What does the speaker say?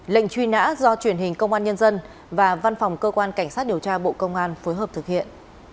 lệnh truy nã do truyền hình công an nhân dân và văn phòng cơ quan cảnh sát điều tra bộ công an phối hợp thực hiện